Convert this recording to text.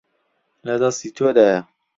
لە دەستی تۆدایە.